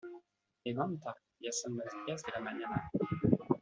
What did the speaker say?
Levanta, ya son las diez de la mañana.